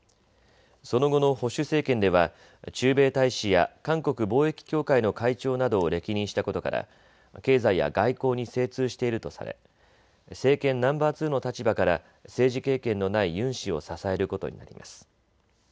その後の保守政権では駐米大使や韓国貿易協会の会長などを歴任したことから経済や外交に精通しているとされ政権ナンバー２の立場から政治経験のないユン氏を支えることになります。